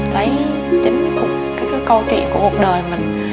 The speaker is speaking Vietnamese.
lấy chính cái câu chuyện của cuộc đời mình